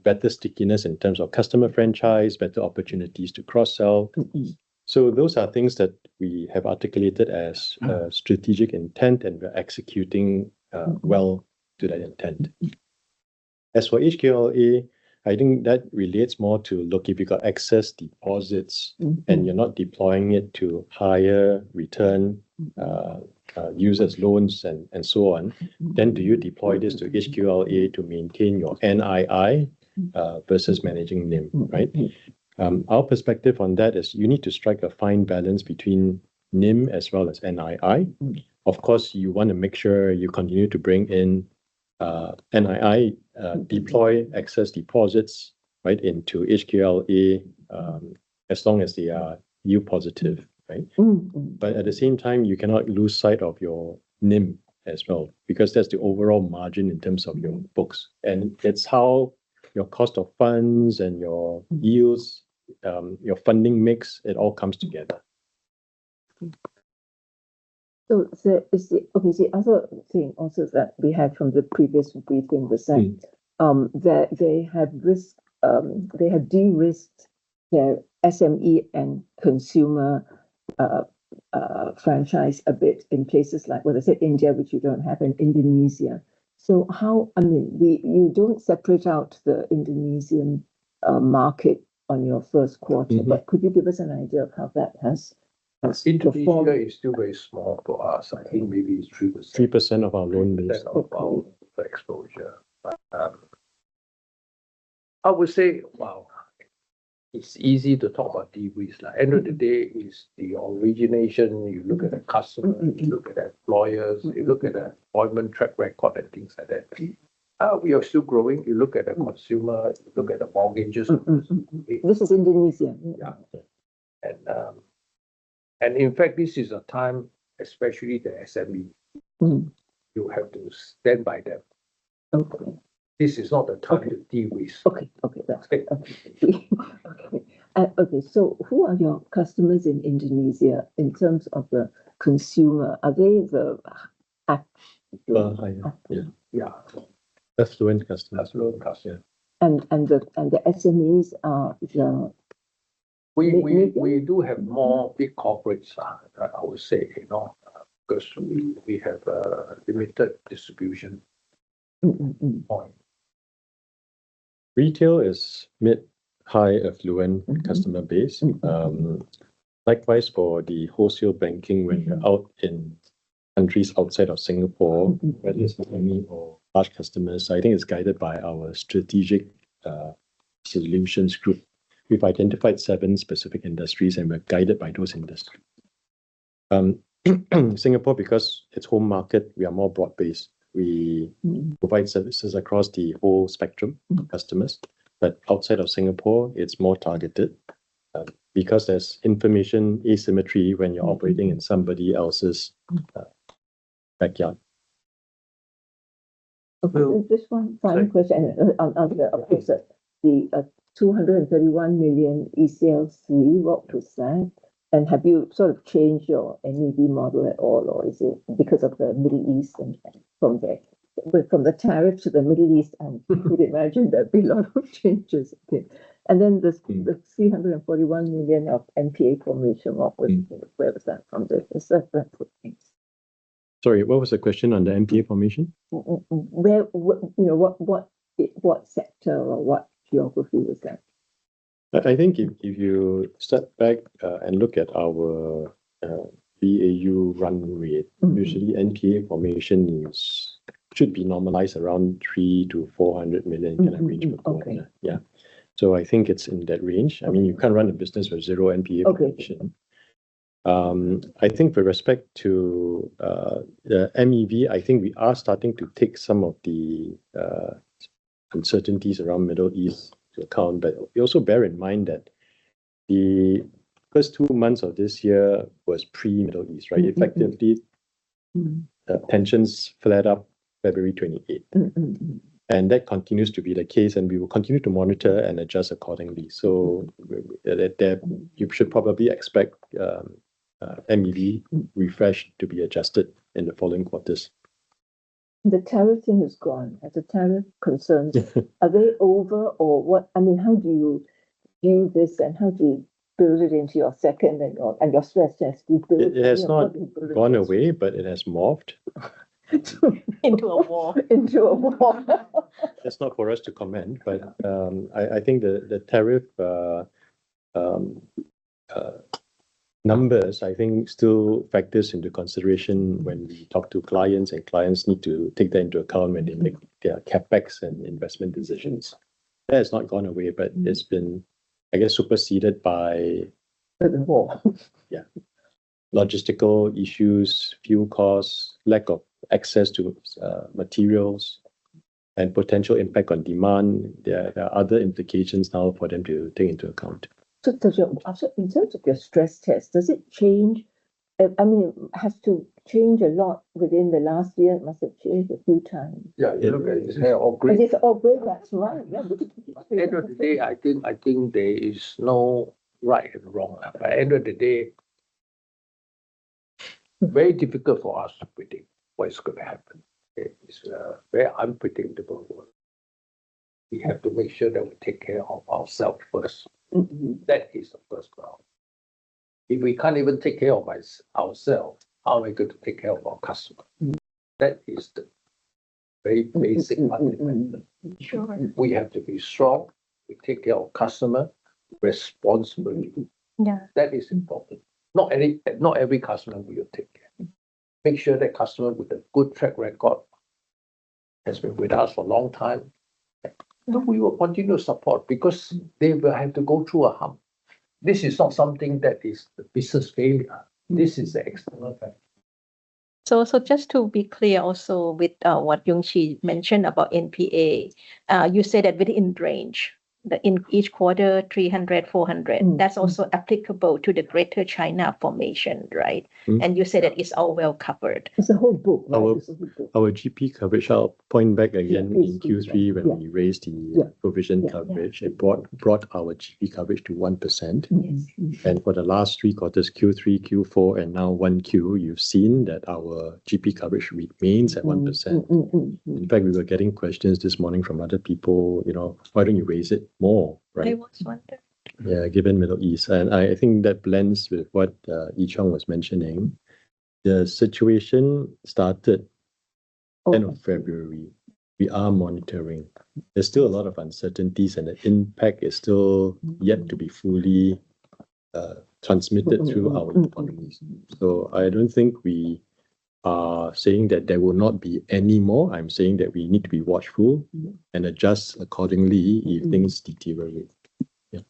better stickiness in terms of customer franchise, better opportunities to cross-sell. Those are things that we have articulated a strategic intent, and we're executing. Well to that intent. For HQLA, I think that relates more to, look, if you got excess deposits. You're not deploying it to higher return, users loans and so on. Do you deploy this to HQLA to maintain your NII versus managing NIM, right? Our perspective on that is you need to strike a fine balance between NIM as well as NII. Of course, you wanna make sure you continue to bring in NII deploy excess deposits, right, into HQLA, as long as they are view positive, right? At the same time, you cannot lose sight of your NIM as well, because that's the overall margin in terms of your books, and it's how your cost of funds and your yields, your funding mix, it all comes together. The other thing also that we had from the previous briefing was that. That they have risk, they have de-risked their SME and consumer franchise a bit in places like, well, they said India, which you don't have, and Indonesia. How I mean, You don't separate out the Indonesian market on your first quarter? Could you give us an idea of how that has performed? Indonesia is still very small for us. I think maybe it's 3%. 3% of our loan base. Okay. About the exposure. I would say, it's easy to talk about de-risk. Like, end of the day, it's the origination. You look at the customer- Mm. Mm. You look at employers. Mm. Mm You look at the employment track record and things like that. We are still growing. You look at the mortgages. This is Indonesia? Yeah. In fact, this is a time, especially the SME. You have to stand by them. Okay. This is not the time to de-risk. Okay. Okay. That's it. Okay. Okay. Okay. Who are your customers in Indonesia in terms of the consumer? Are they the The higher. Yeah. Yeah. Affluent customers. Affluent customers. Yeah. The SMEs are the medium? We do have more big corporates, I would say, you know, because we have a limited distribution. Mm. Mm. Mm. Point. Retail is mid, high affluent customer base. likewise for the wholesale banking when you're out in countries outside of Singapore. Mm. Mm Whether it's SME or large customers, I think it's guided by our Sector Solutions Group. We've identified seven specific industries, and we're guided by those industries. Singapore, because its home market, we are more broad-based provide services across the whole spectrum of customers. Outside of Singapore, it's more targeted, because there's information asymmetry when you're operating in somebody else's backyard. Okay. So- Just one final question. Sure. On the 231 million ECL, what percent? Have you sort of changed your MEV model at all, or is it because of the Middle East and from the tariff to the Middle East? Could imagine there'd be a lot of changes. Okay. The 341 million of NPA formation. Where was that from the? Sorry, what was the question on the NPA formation? Where, what, you know, what sector or what geography was that? I think if you step back and look at our BAU run rate. USually NPA formation is, should be normalized around 3 million-400 million in arrangement quarter. Mm. Mm. Okay. Yeah. I think it's in that range. I mean, you can't run a business with zero NPA formation. Okay. I think with respect to the MEV, I think we are starting to take some of the uncertainties around Middle East to account. Also bear in mind that the first two months of this year was pre Middle East, right? Effectively- Tensions flared up February 28th. Mm. Mm. Mm. That continues to be the case, and we will continue to monitor and adjust accordingly. That, you should probably expect MEV refresh to be adjusted in the following quarters. The tariff thing has gone. Yeah. Are they over, or what I mean, how do you view this, and how do you build it into your second and your, and your stress test? Do you build it in or how do you build it in? It has not gone away, but it has morphed. Into a war. Into a war. That's not for us to comment. Yeah I think the tariff numbers still factors into consideration when we talk to clients, and clients need to take that into account when they make their CapEx and investment decisions. That has not gone away, but it's been, I guess, superseded by. By the war. Logistical issues, fuel costs, lack of access to materials, and potential impact on demand. There are other implications now for them to take into account. Also, in terms of your stress test, does it change? I mean, it has to change a lot within the last year. It must have changed a few times. Yeah, you look at it's all gray. Because it's all gray. That's right. Yeah. At the end of the day, I think there is no right and wrong. At the end of the day. Very difficult for us to predict what is gonna happen. It is a very unpredictable world. We have to make sure that we take care of ourselves first. That is the first priority. If we can't even take care of ourselves, how are we going to take care of our customer? That is the very basic fundamental. Sure. We have to be strong. We take care of customer responsibility. Yeah. That is important. Not every customer we will take care. Make sure that customer with a good track record, has been with us for a long time, then we will continue support because they will have to go through a hump. This is not something that is the business failure. This is the external factor. Just to be clear also with, what Leong Yung Chee mentioned about NPA, you said that within range, the, in each quarter, 300-400. That's also applicable to the Greater China formation, right? You said that it's all well covered. It's a whole book, right? It's a whole book. Our GP coverage, I'll point back again. GP is good. Yeah. in Q3 when we raised Yeah, yeah. provision coverage, it brought our GP coverage to 1%. Yes. For the last three quarters, Q3, Q4, and now 1 Q, you've seen that our GP coverage remains at 1%. Mm. Mm. Mm. Mm. In fact, we were getting questions this morning from other people, you know, "Why don't you raise it more?" Right? I was wondering. Yeah, given Middle East, and I think that blends with what, Wee Ee Cheong was mentioning. The situation Okay End of February. We are monitoring. There's still a lot of uncertainties, and the impact is still yet to be fully transmitted through our economies. Mm. Mm. Mm. Mm. I don't think we are saying that there will not be any more. I'm saying that we need to be watchful. Adjust accordingly. if things deteriorate. Yeah.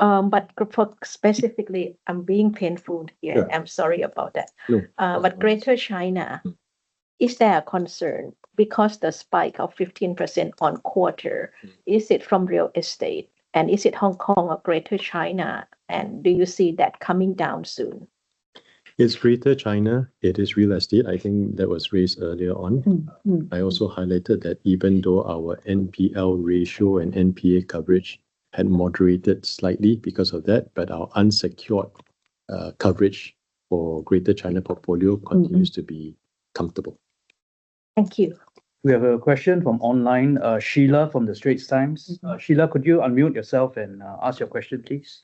For specifically, I'm being painful here. Yeah. I'm sorry about that. No. Uh, but Greater China is there a concern because the spike of 15% on quarter is it from real estate, and is it Hong Kong or Greater China, and do you see that coming down soon? It's Greater China. It is real estate. I think that was raised earlier on. Mm. Mm. I also highlighted that even though our NPL ratio and NPA coverage had moderated slightly because of that, but our unsecured coverage for Greater China portfolio continues to be comfortable. Thank you. We have a question from online, Sheila from The Straits Times. Sheila, could you unmute yourself and ask your question, please?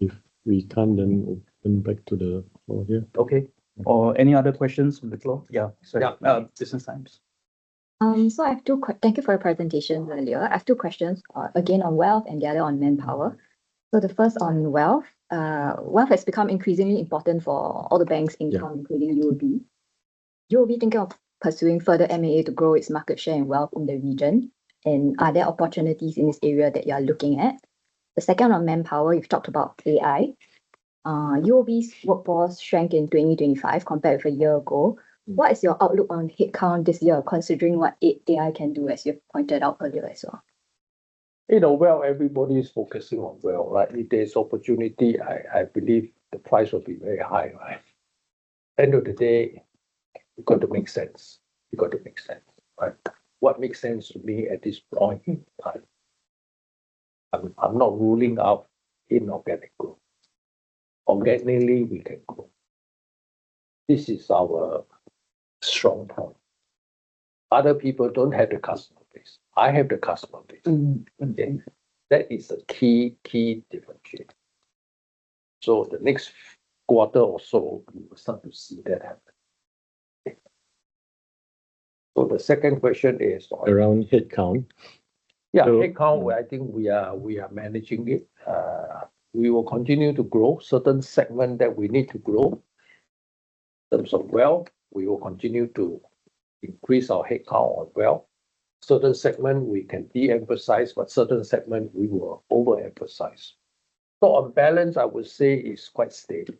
If we can't, open back to the floor here. Okay. Any other questions from the floor? Yeah. Sorry. Yeah. The Business Times. Thank you for your presentation earlier. I have two questions, again, on wealth and the other on manpower. The first on wealth has become increasingly important for all the banks'. Yeah Including UOB. UOB thinking of pursuing further M&A to grow its market share and wealth in the region, and are there opportunities in this area that you are looking at? The second on manpower, you've talked about AI. UOB's workforce shrank in 2025 compared with a year ago. What is your outlook on headcount this year, considering what AI can do, as you've pointed out earlier as well? You know, wealth, everybody's focusing on wealth, right? If there's opportunity, I believe the price will be very high, right? End of the day, it got to make sense. It got to make sense, right? What makes sense to me at this point in time, I'm not ruling out inorganic growth. Organically, we can grow. This is our strong point. Other people don't have the customer base. I have the customer base. Mm. Mm. Okay? That is the key differentiator. The next quarter or so, we will start to see that happen. Around headcount. Yeah. So- Headcount, I think we are managing it. We will continue to grow certain segment that we need to grow. In terms of wealth, we will continue to increase our headcount on wealth. Certain segment we can de-emphasize, but certain segment we will overemphasize. On balance, I would say it's quite stable.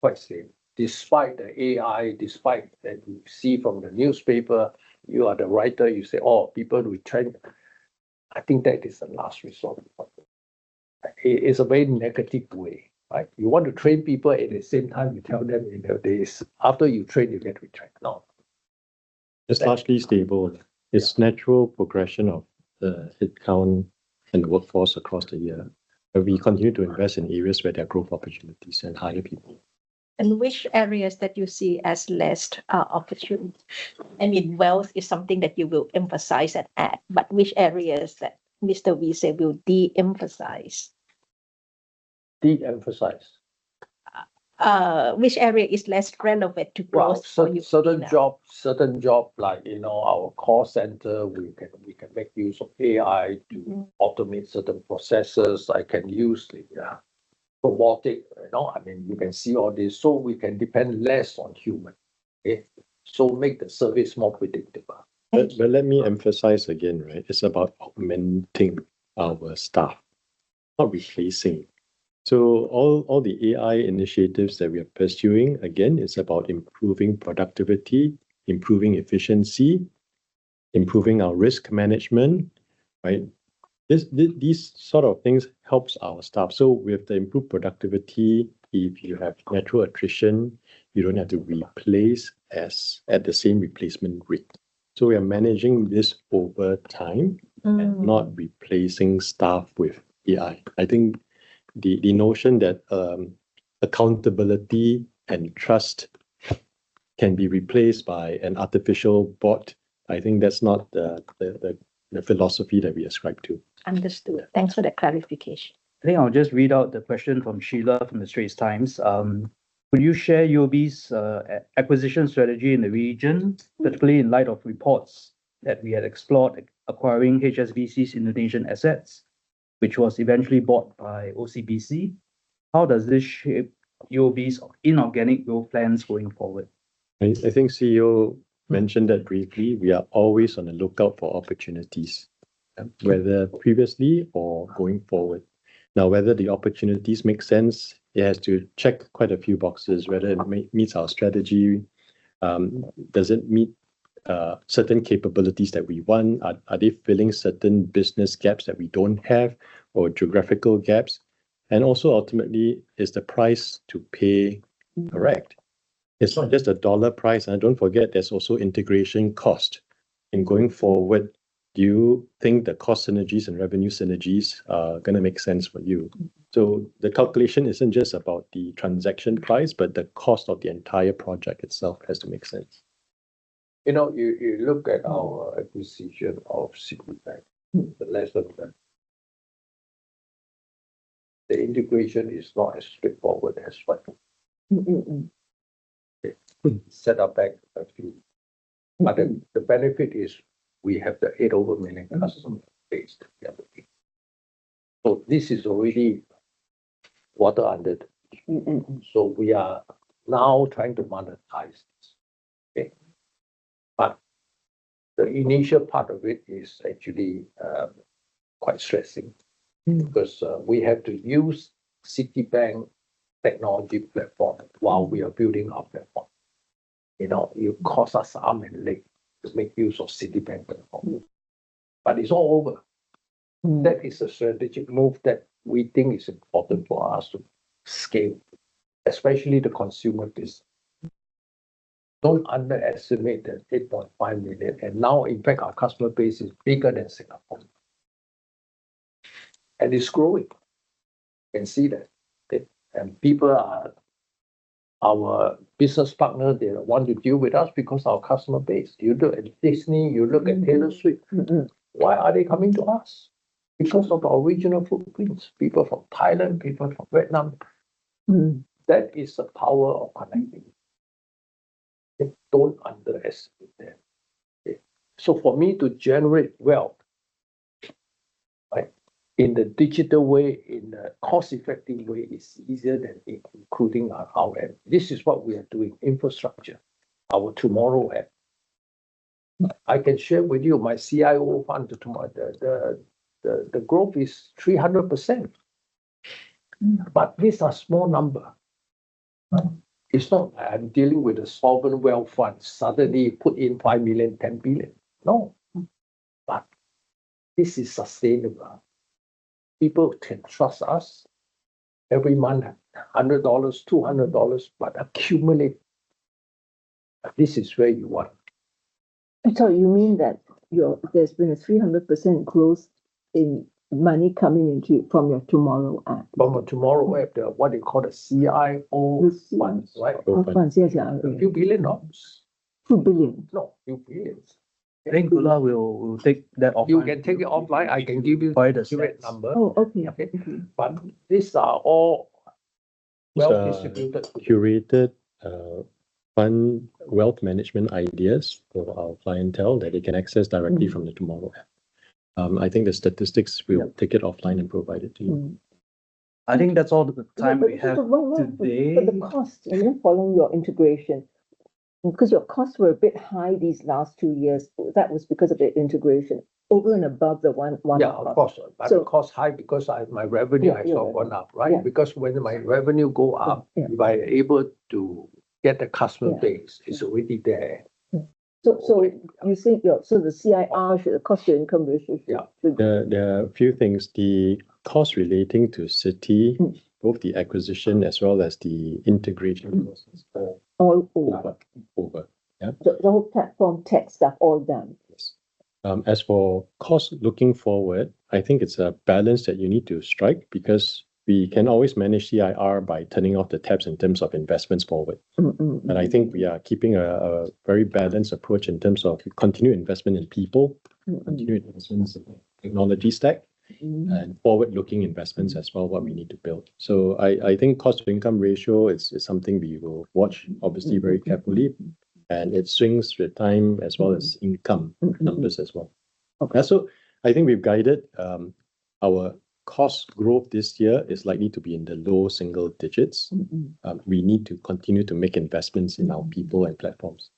Quite stable. Despite the AI, despite that you see from the newspaper, you are the writer, you say, "Oh, people retract." I think that is the last resort. It's a very negative way, right? You want to train people, at the same time you tell them in their face, "After you train, you get retract." No. It's largely stable. Yeah. It's natural progression of the headcount and workforce across the year. We continue to invest in areas where there are growth opportunities and hire people. Which areas that you see as less opportune? I mean, wealth is something that you will emphasize and add, but which areas that Mr. Wee said will de-emphasize? De-emphasize? Which area is less relevant to growth for you now? Well, certain job, like, you know, our call center, we can make use of AI. Automate certain processes. I can use the robotic, you know, I mean, you can see all this, so we can depend less on human. Okay? Make the service more predictable. Thank you. Let me emphasize again, right? It's about augmenting our staff, not replacing. All the AI initiatives that we are pursuing, again, it's about improving productivity, improving efficiency, improving our risk management, right? These sort of things helps our staff. We have to improve productivity. If you have natural attrition, you don't have to replace at the same replacement rate. We are managing this over time. Not replacing staff with AI. I think the notion that accountability and trust can be replaced by an artificial bot, I think that's not the philosophy that we ascribe to. Understood. Thanks for that clarification. I think I'll just read out the question from Sheila from The Straits Times. Will you share UOB's acquisition strategy in the region? particularly in light of reports that we had explored acquiring HSBC's Indonesian assets, which was eventually bought by OCBC, how does this shape UOB's inorganic growth plans going forward? I think CEO mentioned that briefly. We are always on the lookout for opportunities. Yeah whether previously or going forward. Whether the opportunities make sense, it has to check quite a few boxes, whether it meets our strategy, does it meet certain capabilities that we want? Are they filling certain business gaps that we don't have or geographical gaps? Ultimately, is the price to pay correct? It's not just a dollar price. Don't forget, there's also integration cost. In going forward, do you think the cost synergies and revenue synergies are gonna make sense for you? The calculation isn't just about the transaction price, but the cost of the entire project itself has to make sense. You know, you look at our acquisition of Citibank. The lesson learned. The integration is not as straightforward as one would think. Mm-mm-mm. It set us back a few. The benefit is we have the 8 million customer base that we are looking. This is already water under the bridge. We are now trying to monetize this. Okay? The initial part of it is actually quite. We have to use Citibank technology platform while we are building our platform. You know, it cost us arm and leg to make use of Citibank platform. It's all over. That is a strategic move that we think is important for us to scale, especially the consumer business. Don't underestimate that 8.5 million. Now in fact our customer base is bigger than Singapore. It's growing. You can see that. People are Our business partner, they want to deal with us because our customer base. You look at Disney, you look at Taylor Swift. Why are they coming to us? Because of our regional footprints. People from Thailand, people from Vietnam. That is the power of connecting. Don't underestimate that. Okay. For me to generate wealth, right, in the digital way, in a cost-effective way, is easier than including our app. This is what we are doing, infrastructure, our UOB TMRW. I can share with you my CIO fund, the growth is 300%. These are small number. It's not I'm dealing with a sovereign wealth fund, suddenly put in 5 million, 10 billion. No. This is sustainable. People can trust us. Every month, 100 dollars, 200 dollars, but accumulate. This is where you want. You mean that there's been a 300% close in money coming into from your UOB TMRW? From our UOB TMRW app, the what they call the CIO Funds, right? Funds. Yes, yeah. A few billion Singapore dollars. Few billion? No, SGD few billions. I think Gula will take that offline. You can take it offline. I can give you the exact number. Provide us that. Oh, okay. Okay? These are all well distributed. These are curated, fund wealth management ideas for our clientele that they can access directly from the UOB TMRW. I think the statistics, we'll take it offline and provide it to you. I think that's all the time we have today. Well, but Yeah following your integration. Your costs were a bit high these last two years. That was because of the integration over and above the one-off. Yeah, of course. So- The cost high because my revenue actually went up, right? Yeah, yeah. Yeah. Because when my revenue go up. Yeah, yeah. We were able to get the customer base. Yeah. It's already there. You think So the CIR, the cost to income ratio should. Yeah. There are a few things. The cost relating to Citi- both the acquisition as well as the integration costs. All over. over. Over, yeah. The whole platform tech stuff all done. Yes. As for cost looking forward, I think it's a balance that you need to strike because we can always manage CIR by turning off the taps in terms of investments forward. Mm. Mm. Mm. I think we are keeping a very balanced approach in terms of continued investment in people. Continued investments in technology stack. Forward-looking investments as well, what we need to build. I think cost to income ratio is something we will watch obviously very carefully. Okay. It swings with time as well as income. Mm. Mm numbers as well. Okay. I think we've guided, our cost growth this year is likely to be in the low single digits. We need to continue to make investments in our people and platforms.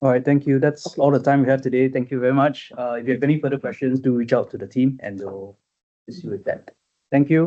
All right. Thank you. That's all the time we have today. Thank you very much. If you have any further questions, do reach out to the team and they'll assist you with that. Thank you.